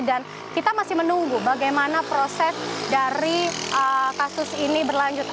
dan kita masih menunggu bagaimana proses dari kasus ini berlanjut